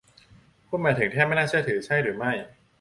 คุณหมายถึงแทบไม่น่าเชื่อใช่หรือไม่